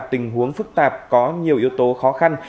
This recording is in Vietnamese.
tình huống phức tạp có nhiều yếu tố khó khăn